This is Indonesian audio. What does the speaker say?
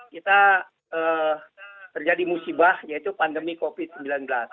kita terjadi musibah yaitu pandemi covid sembilan belas